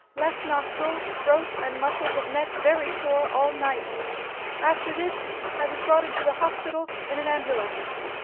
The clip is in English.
Left nostril, throat and muscles of neck very sore all night. After this I was brought into the hospital in an ambulance.